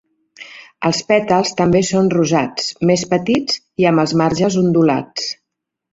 Els pètals també són rosats, més petits i amb els marges ondulats.